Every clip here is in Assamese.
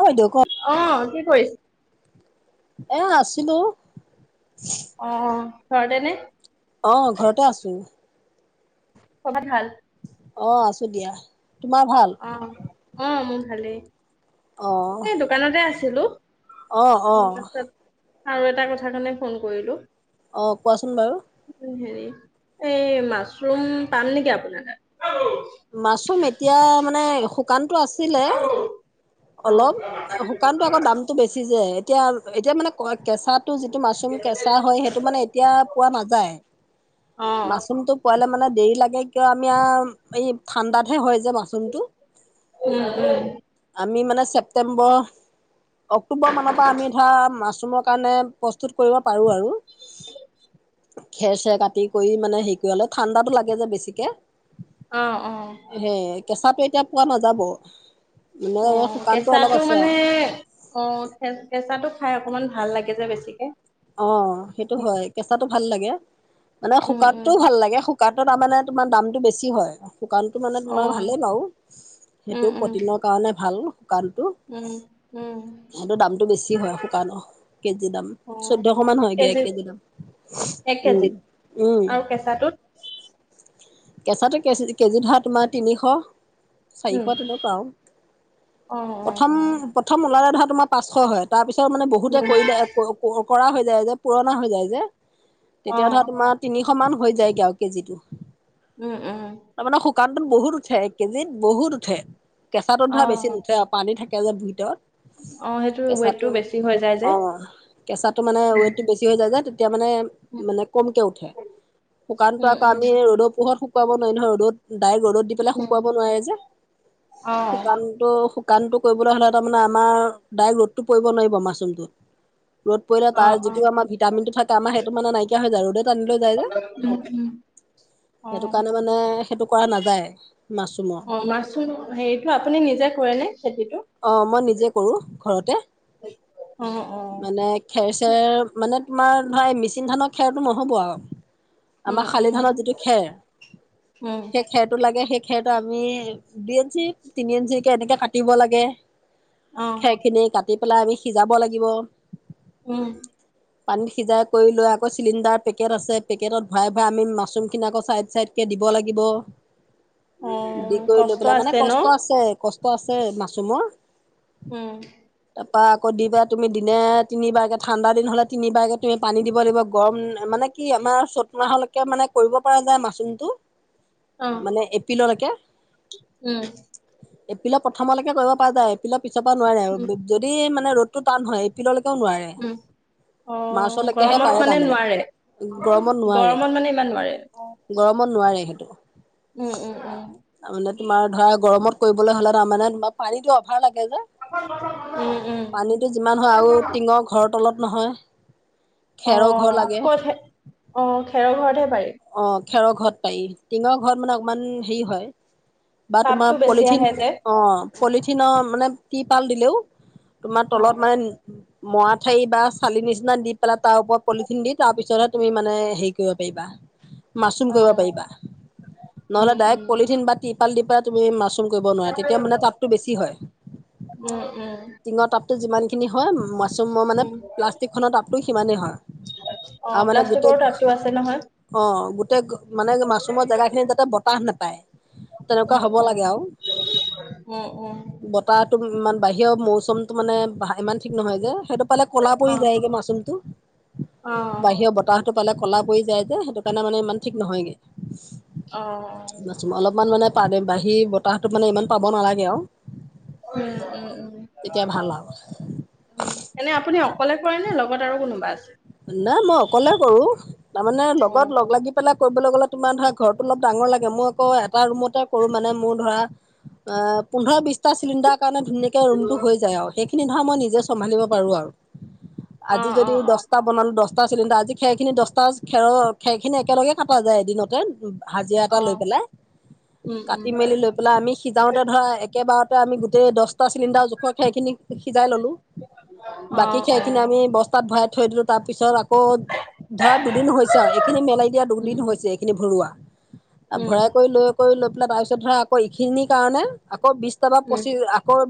অ বাইদেউ ক অ [unintelligible] এ আছিলো । অ ঘদনে আহ ঘৰতে আছো কবাত ভাল । অ আছো দিয়া তোমাৰ ভাল অ অ ভালে এই দোকানতে আছে ছিলো আহ অ আৰু এটা কথা কাৰণে ফোন কৰিলোঁ অ কোৱাচোন বাৰু হেৰি এই মাছৰুম পাম নেকি আপোনাৰ তাত মাচৰুম এতিয়া মানে শুকান আছিল অ অলপ শুকানতো আকৌ দামতটো বেছি যে এতিয়া এতিয়া মানে ক কেঁচাত অ ম মানে দেৰি লাগে কিয় আমি আৰু। ই ঠাণ্ডাত হে হয় যে। মাচটো উম উম আমি মানে। ছেপ্টেম্বৰ। অক্টোবৰ মানৰ পৰা আমি ধৰা মাছ। মচুৰ কাৰণে প্ৰস্তুত কৰিব পাৰো আৰু। খেৰ চেৰ কাটি কৰি মানে হেৰি কৰিলো ঠাণ্ডাতটো লাগে যে বেছিকে। অ অ হে কেঁচাটো এতিয়া পোৱা নাযাব। মানে অ শুকানটো অলপ কেঁচাটো আছে মানে আৰু অ কেঁচাটো। খাই অকনমান ভাল লাগে যে বেছিকে। অ সেইটো হয় কেঁচাটো ভাল লাগে। মানে উম শুকান উম টো ভাল লাগে। শু কাৰ্টত তামানে তোমাৰ দামটো বেছি হয়। শুকানটো মানে অ তোমাৰ ভালেই বাৰু উম সেইটো উম প্ৰটিনৰ কাৰণে ভাল। শুকানটো উম উম সেতো দামটো বেছি হয় শুকান অ কেজি দাম অ চৈধ্যশ মান হয়গে এক কেজি দাম এক উম কেজিত উম। আৰু কেঁচাটোত কেঁচাটো কে কেজি ধৰা তোমাৰ তিনিশ। উম চাৰিশ তেনেকুৱা আৰু অ অ প্ৰথম প্ৰথম ওলালে ধৰা তোমা পাঁচশ হয় তাৰ পিছত মানে বহুতে কৰি দিয়ে আ ক ক কৰা হৈ যায় যে পুৰণা হৈ যায় যে। অ তেতিয়া ধৰা তোমাৰ তিনি। সমান হৈ যায়গে আৱ কেজিটো। উম উম শুকান তোন বহুত উঠে কেজিত বহুত উঠে। কেঁচা টোত অ ধৰা বেছি নুঠে আৰু পানী থাকে। থাকে যে ভিতৰত অ সেইটো ৱেইটটো কেঁচাটো বেছি হৈ যায় যে অ কেঁচাটো মানে উম ৱেইটটো বেছি হৈ যায় যে। এতিয়া মানে মানে কমকে উঠে, শুকানটো উম আকৌ উম আমি ৰ'দত। ত শুকুৱাব নোৱাৰি নহয় ৰ'দত। দাইক ৰ'দত দি পেলাই উম শুকুৱাব নোৱাৰে যে, অ শুকানতো শুকানটো কৰিবলৈ হ'লে তামানে আমাৰ ডাইৰেক ৰ'দটো পৰিব নোৱাৰিব মাছৰুমটোত। ৰ'দ পৰিলে অ তাৰ অ যিটো আমাৰ ভিটামিনটো থাকে আমাৰ সেইটো মানে নাইকিয়া হৈ যায় আৰু উম উম অ সেইটো কাৰণে মানে সেইটো কৰা নাযায় মাছৰুমৰ। অ মাছৰুম হেৰিটো আপুনি নিজে কৰে নে খেতি অ মই নিজে কৰোঁ ঘৰতে অ অ মানে খেৰ চেৰ মানে তোমাৰ ধৰা এ মেচিন ধানৰ খেৰটো নহ'ব আৱ উম আমাৰ শালি উম ধানৰ যিটো খেৰ উম সেই খেৰটো লাগে সেই খেটো আমি দুই ইঞ্চি তিনি ইঞ্চি কে এনেকে কাটিব লাগে গে অ খেৰ খিনি কাটি টি পেলাই আমি সিজাব লাগিব উম পানীত সিজাই কৰি লৈ আকৌ চিলিণ্ডাৰ পেকেট আছে পেকেটত ভৰাই ভৰাই আমি মাছৰুম খিনি আকৌ চাই চাইডে দিব লাগিব অ । বি কৰি লৈ কষ্ট পেলাই মানে আছে ন কষ্ট আছে কষ্ট আছে মা চোম । উম ত আকৌ দি পেলাই তুমি দিনে তিনিবাৰ কেে ঠাণ্ডা দিন হলে তিনিবাৰকে তুমি পানী দিব লাগিব গৰম মানে কি আমাৰ চ'ত মাহলৈকে মানে কৰিব পৰা যায় মাচম টো অ মানে এপিলৰলৈকে উম এইপিলা প্ৰথম লাগে । কৰিব পৰা যায় পাক পিছ পৰা নোৱাৰে উম আৰু যদি মানে ৰদত টান হয় এইপিলে উ অ মাৰ্চলৈকেহে গৰমত পাৰে মানে তাৰমানে নোৱাৰে গৰমত নোৱাৰে গৰমত মানে ইমান নোৱাৰে অ । তাৰ মানে তোমাৰ ধৰা গৰমত কৰিবলৈ হ'লে তাৰানে পাৰীো অভাল লাগে উম উম পানীটো যিমান হয় আৰু টিঙৰ ঘৰত তলত নহয় অ খেৰৰ ঘৰ লাগে কত অ খেৰৰ ঘৰতহে পাৰি অ খেৰৰ ঘৰত পাৰি টিঙৰ ঘৰত মানে অকমান হেৰি হয় বা তাপতো তোমাৰ বেছি পলিথিন আহে যে অ । পলিথিনৰ মানে টিপাল দিলেও তোমাৰ অ তলত মানে মৰা ঠাৰি বা চালি নিচিনা দি পেলাই তাৰ ওপৰত পলিথিন দি তাৰ পিছতহে তুমি মানে হেৰি কৰিব পাৰিবা মাৰুম অ কৰিব পাৰিবা উম নহলে ড্ উম পলিথিন বা [unintelligible] কৰিব নোৱাৰা তেতিয়া মানে তাপতো বেছি হয়। উম উম যিমান খিনি হয় মাছৰুম মই মানে উম প্লাষ্টিকখনত । টো সিমানেই হয়। আৰু অ', মানে গোটেই প্লাষ্টিকৰ তাতটো আছে নহয়। অ', গোটেই মানে মাছৰুমৰ জেগা খিনিত যাতে বতাহ নেপায় তেনেকুৱা উম হব উম লাগে আৰু উম উম বতাহ ই বাহিৰৰ মৌচমতটো মানে ইমান ঠিক নহয় যে সেইটো পালে কলা অ পৰি যায়গে মাছৰুমতটো অ বাহিৰৰ বতাহতো ফালে কল পৰি যায় । এ সেইটো সেইকাৰণে মানে ইমান ঠিক নহয়গে অ অলপমান মানে পালে বাহি বতাহতো মানে ইমান পাব নালাগে আৰু উ'ম উ'ম উ'ম তেতিয়া ভাল আৰু উ'ম এনে আপুনি অকলে কৰেনে লগত আৰু কোনোবা আছে নাই মই অকলে কৰো তাৰমানে অ', লগত লগ লাগি পেলাই কৰিবলৈ গ'লে। তোমাৰ ধৰা ঘৰটো অলপ ডাঙৰ লাগে, মই আকৌ এটা ৰুমতে কৰো মানে মোৰ ধৰা অ', পোন্ধৰ বিশটা চিলিণ্ডাৰ সেই কাৰণে ধুনীয়াকে ৰুমটো হৈ যায় আৰু সেই খিনি ধৰা মই নিজে চম্ভালিব পাৰোঁ আৰু আজি অ', যদি দশ অ', দহটা অ', বনালো দহটা দহটা চিলিণ্ডাৰ আজি খেৰ খিনি দহটা খেৰ খেৰ খিনি একেলগে কটা যায় এদিনতে হাজিৰা এটা লৈ অ', পেলাই উম, কাটি উম। মেলি লৈ পেলাই আমি সিজাওতে ধৰা একেবাৰত আমি গোটেই দহটা চিলিণ্ডাৰ জোখৰ সেইখিনি সিজাই ললো বাকী অ', খেৰ খিনি অ', আমি বস্তাত ভৰাই। থৈ দিলো। তাৰ পিছত আকৌ ধৰা দুদিন হৈছে আৰু এইখিনি মেলাই দিয়া উম, দুদিন হৈছে এইখিনি ভৰোৱা। ভৰাই উম, কৰি লৈ কৰি লৈ তাৰপিছত ধৰা আকৌ এইখিনিৰ কাৰণে আকৌ বিশটা বা উম, পঁচিছ আকৌ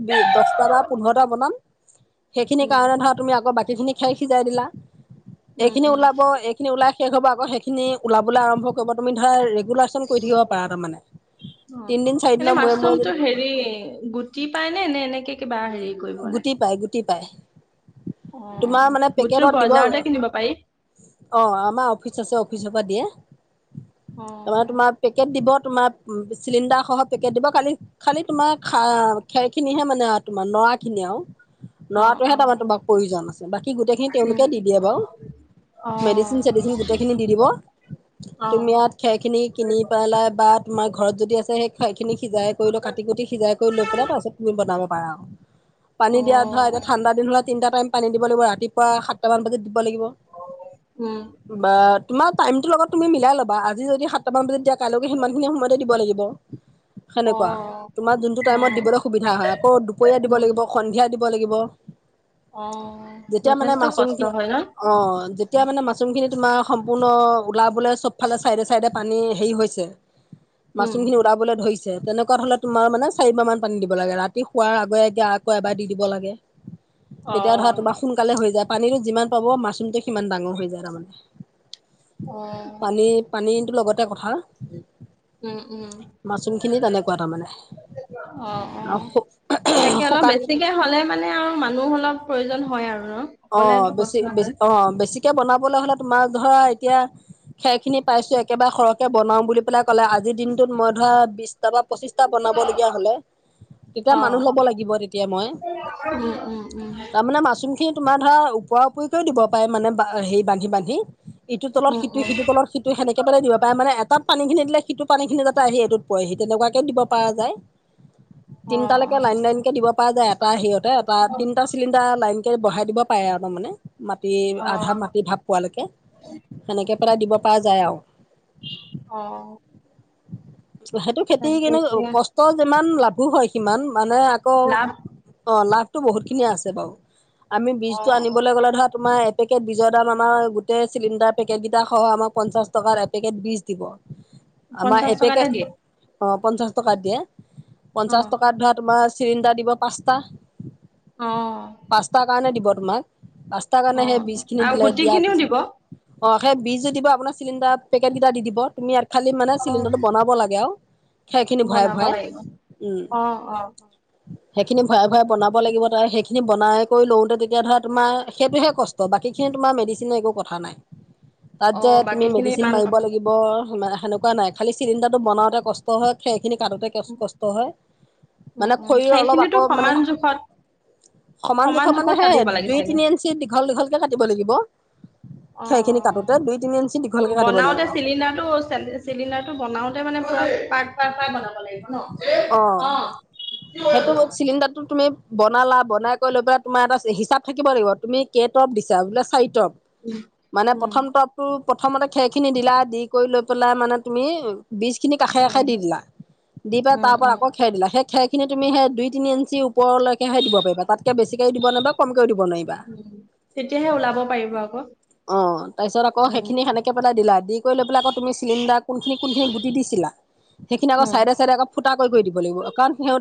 দহটা বা পোন্ধৰটা বনাম। সেইখিনি উম, কাৰণে ধৰা তুমি আকৌ বাকী সেইখিনি খাই সিজাই দিলা উম, এইখিনি উম, ওলাব এইখিনি ওলাই শেষ হ'ব আকৌ সেইখিনি লাব আৰ্ভ কৰিব তুমি ধ অ তিনদিন এনে চাৰিদিনৰ মূৰে মূৰে মাছৰুমতটো যদি হেৰি গুটি পাই নে নে এনেকে বাৰে গুটি পাই গুটি পায় অ', তোমাৰ মানে গুটিটো পেকেটত দিব অ বজাৰতে কিনিব পাৰি? আমাৰ অফিচ আছে অফিচৰ পৰা দিয়ে তাৰমানে অ', তোমাৰ পেকেট দিব তোমাৰ চিলিণ্ডাৰ সহ পেকেট দিব খালি খালি তোমাৰ খেৰ খিনিহে মানে কনেও অ', লৰাটোোৱহে তাৰ অ', তোমাক প্ৰয়োজন আছে বাকী গোটেইখিনি উম। তেওঁলোকে দি দিয়ে অ', বাৰু মেডিচিন চেডিচিন গোটেইখিনি দি দিব অ'। অ', তুমি ইয়াত খেৰখিনি কিনি পেলাই ব । তোমাৰ ঘৰত যদি আছে সেই খ খিনি । সিজাই কৰি ল কাটিুটিজাই কৰি লৈ পেলাই তাৰাছতুম বনাম পাওঁ পানী দিয়া ধৰা এতি াণ্ডা দিন হললে তিনি াইম পানী দিব লাগিব ৰাতিপুৱা সাতটামান বজাত । দিব লাগিব উম, বা তোমাৰ টাইমটোৰ লগত তুমি মিলাই ল'বা আজি যদি সাতটামান বজাত দিয়া কাইলৈকে সিমানখিনি সময়তে দিব লাগিব । সেনেকুৱা অ', তোমাৰ যোনতটো টাইমত অ', দিবলৈ সুবিধা হয় আকৌ দুপৰীয়া দিব উম। লাগিব সন্ধিয়া দিব লাগিব অ যেতিয়া মানে যথেষ্ট মাচৰুম কষ্ট খিনি হয় ন অ যেতিয়া মানে মাচৰুম খিনি তোমাৰ । সম্পূৰ্ণ ওলাবলৈ চবফালে চাইডে চাইডে পানী হেৰি হৈছে উম মাচৰুম খিনি ওলাবলৈ ধৰিছে । তেনেকুৱা হ'লে তোমাৰ মানে চাৰিব মান পানী দিব লাগে ৰাতি শুৱোৱাৰ আগে আগে আগ আকৌ এবাৰ দি দিব লাগে অ তেতিয়া ধৰা তোমাৰ সোনকালে হৈ যায় পানীটো যিমান পাব মাছৰুমটো সিমান ডাঙৰ হৈ যায় তাৰমানে অ । পানী পানী লগত গ কথা উম উম মাছৰুমখিনি তেনেকুৱা তাৰমানে আৰু শুকান গতিকে হ'লে মানে আৰু মানুহ অলপ প্ৰয়োজন হয় আৰু ন অ অকলেতো বেছিে কষ্ট হয় অ বেছিকে বনাব হলে তোমাৰ ধৰা এতিয়া খেৰ খিনি পাইছো একেবাৰে সৰহকে বনাও বুলি পেলাই ক'লে আজিৰ দিনটোত মই ধৰা বিশটা বা পঁচিশ হতি অ মান লব লাগ তেতিয়া মই উম উম উম ত মা । সি তোমাৰ ধৰা ওপৰা ওপৰিকও দিব পাৰে মানে বা হে বান্ধি বান্ধি ইটো তলৰ উম সিটো উম সিটো তলৰ সিটো সেনেকে পেলাই দিব পাৰে মানে এটা পানী খিনি দিলে সিটো পানী খিনি যাতে আহি এইটোত পহি তেনেকুৱাকে দিব পৰা যায় অ তিনটালৈকে লাইন লাইন কেে দিব পদাৰ সিহঁতে এপ পৰা তিনটা চিলিণ্ডাৰ লাই বঢ়াই দিব পাৰে আৰু তাৰ মমানে মাটি অ অ আধা মাটি ভাপ পোৱালৈকে সেনেকে দিব পৰা যায় আৰু অ সেইটো খেতি তাকে কেনে এতিয়া কষ্ট যে সমান লাভো হয় সিমান মানে আকৌ লাভ অঁ লাভটো বহুতখিনিয়ে আছে বাৰু আমি অ বীজতটো আনিবলৈ গ'লে ধৰা তোমাৰ এপেকেট বীজৰ দাম আমাৰ গোটেই চিলিণ্ডাৰ পেকেট কেইটা সহ আমাক পঞ্চাশ টকাৰ এপেকেট বীজ দিব আমাৰ পঞ্চাশ টকাতে এপেকেট দিয়ে । অ পঞ্চাশ টকা দিয়ে । পঞ্চাশ টকাত ধৰা তোমাৰ চিলিণ্ডাৰ দিব পাঁচটা অ প নে দিব তোমাক । ৰাস্তাৰ অ কাৰণে সেই বীজ খিনি আৰু দিলে গুটি দিয়াৰ খিনিও দিব পিছত অ সেই বিজ য দিব আপোনাৰ চিলিডাৰ পেকেট কেইটা দি দিব তুমি খালি মানে অ চিলিণ্ডাৰটো বনাব লাগে আৰু খেেলখিনি ভয় বনাব ভয় লাগিব উম অ অ অ সেইখিনি ঘূই ঘূৰাই বনাব লাগিব তাৰে সখিনি বনায় লতে তেতিয়া ধৰা তোমাৰ সেইটোহে কষ্ট বাকী খিনি তোমাৰ মেডিচিনৰ একো কথা নাই তাত অ যে তুমি বাকী খিনি মেডিচিন ইমান মাৰিব কথা নাই। লাগিব সেনেকুৱা নাই খালি চিণ্ডাৰটো বনাওঁতে কষ্ট হয় খ স খিনি কাটোোতে উম কষ্ট হয় উম মানে উম শৰীৰৰ অলপ সেইখিনিতো আকৌ মানে সমান জোখত সমান । জোখত মানে সে কাটিব লাগে দুই চাগে তিনি ইঞ্চি দীঘল দীঘলকে কাটিব লাগিব খেৰখিনি কাটোতে দুই তিনি ইঞ্চি দীঘলকে অ কাটিব লাগিব বনাওতে চিলিণ্ডাৰটো চিলিণ্ডাৰটো বনাওতে মানে ভৰত পাৰপ বনাব লাগিব ন অ কি সেইটো কছ চিলিণ্ডাৰটো তুমি বনালা বনাই কৰিৈ লৈ পেলাই তোমাৰ এটা হিচাপ থাকিব লাগিব তুমি কটৰপ দিছা বোলে চাৰি ৰফ মানে উম প্ৰথমটো প্ৰথমতে খেৰ খিনি দিলা দি কৰি লৈ পেলাই মানে তুমি বীজখিনি কাষে উম কাষে দি দিলা দি পাই উম তাৰ পৰা উম আকৌ খিয়াই দিলে। সেই খৰিনি তুমি সেই দুই তিনি ইঞ্চি ওপৰলৈ ে দিব পাৰিবা তাতকে বেছিকে দিব নোৱাৰিবা কমকেও দিব নোৱাৰিবা উম তেতিয়াহে ওলাব পাৰিব আকৌ অ তাৰ পিছত আকৌ উম সেইখিনি সেনেকে পেলাই দিলা দি কৰি লৈ পেলাই আকৌ তুমি চিলিণ্ডাৰ কোনখিনি কোন খিনি গুটি দিছিলা সেইখিনি আকৌ উম চাই ফুটা কৰি দিব লাগিব কাৰণ সিহ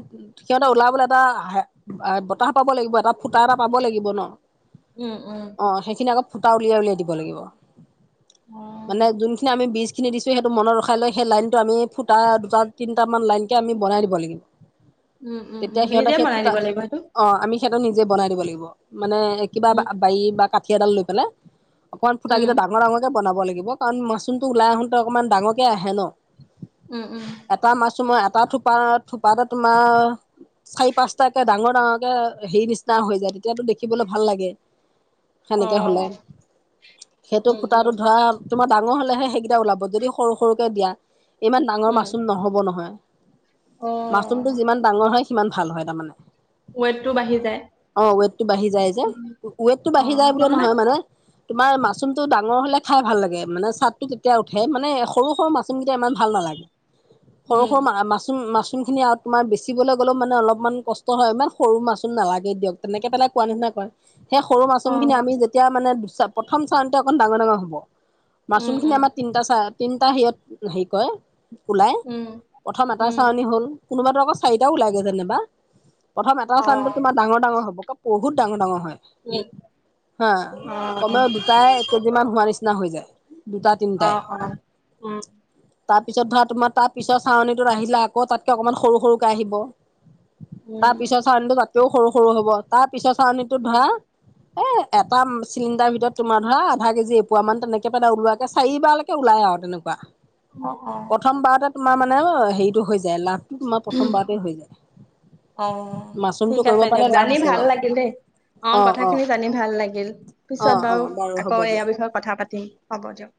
সিহঁতে ওলাবলৈ এটা বতাহ পাব লাগিব এটা ফুটা এটা পাব লাগিব ন। উম উম অ সেইখিনি আকৌ সূতা উলিয়াই উলিয়াই দিব লাগিব। অ মানে যোনখিনি আমি বি খিনি দিছোঁ সেইটো মনত ৰখাই লৈ সেই লাইনটো আমি ফুটা দুটা তিনট মান লাইনকে আমি বনাই দিব লাগিব। উম উম উম নিজে মনাই নিব লাগিবটো সটো নিজে বনাই দিব লাগিব। মানে কিবা উম বাৰী বা ক কডাল লৈ পেলাই অকমান ফুট উম কেইটা ডাঙ ডাঙৰক বনাব লাগিব কাৰণ মাচৰুমটো ওলাই আহোনতে অকনমান ডাঙৰকে আহে ন উম উম। এটা মাছো মই এটা থোপা থোপাতে তোমাৰ চাৰি পাঁচটাকে ডাঙৰ ডাঙৰকে হেৰি নিচিনা হৈ যায় তেতিয়াতো দেখিবলৈ ভাল লাগে। অ সেনেকে হলে সেইটো উম খুটাটো উম ধৰা তোমাৰ ডাঙৰ হলেহে সেইকেইটা ওলাব যদি সৰু সৰুকে দিয়া। ইমান ডাঙৰ উম মাছ। হ'ব নহয়। মাছৰুমতটো অ যিমান ডাঙৰ হয়। কিমান ভাল হয় তাৰমানে ৱেটটো বাঢ়ি যায়। অ ৱটটো বাঢ়ি যায় যে উম, ওৱটটো অ বাঢ়ি যায় ব নহ'লে নহয় মানে। তোমাৰ মাছৰুমটো ডাঙৰ হ'লে খাই ভাল লাগে মানে চাটটটো তেতিয়া উঠে মানে সৰু সৰু মাছৰুমকেইটা ইমান ভাল নালাগে সৰু সৰু উম, মা মাছ মাছ। মাচন খিনি আৰু তোমাৰ বেচিবলৈ গ'লেও মানে অলপমান কষ্ট হয় ইমান সৰু মাচোন নালাগে দিয়ক তেনেকে পেলাই কোৱা নিচিনা কয়। সেই সৰু মাচৰুম খিনি অ', আমি যেতিয়া মানে প্ৰথম চাৰণতে অকণ ডাঙৰ ডাঙৰ হ'ব । উম, মাচৰুম খিনি উম, আমাৰ তিনটা চাই। তিনিটা হিত হেৰি কয়। ওলাই উম, প্ৰথম এটা উম। চউনি হ'ল। কোনোবাাতটো আকৌ চাৰিটা ওলাই গৈ যেনবা। প্ৰথম এটা চানত অ', তোম ডাৰ ডাঙৰ হ'ব ক বহুত ডাঙ ডাঙৰ হয়। উম, হা অ', কমেও দুটাই এক কেজি মান হোৱা নিচিনা হৈ যায়। দুটা তিনিটাই অ', অ'। উম, তাৰপিছত ভাত তোমাৰ তাৰ পিছত চউনিীটোত আহিলা আকৌ তাতকে অকমান সৰু সৰুকে আহিব। তাৰ উম, পিছৰ চাৱ তেও সৰু সৰু হ'ব তাত পিছত চাউনীটো ধৰা, এ এটা চিলিণ্ডাৰ ভিতৰত তোমাৰ ধৰা আধা কেজি এপোৱা মান তেনেকে পেল ওলোৱাকে চাৰিবাৰৈকে ওলাই আৰু তেনেকুৱা অ অ। প্ৰথম বাৰতে তোমাৰ মানে হেৰিটো হৈ যায় লাভ অ মাছৰুমটো ঠিক কৰিব আছে দিয়ক পাৰিলে লাভ জানি আছে ভাল বাৰু লাগিল দেই অ কথাখিনি জানি ভাল লাগিল অ পিছত অ বাৰু হ'ব আকৌ দিয়া এয়াৰ বিষয়ে কথা পাতিম। হ'ব দিয়ক।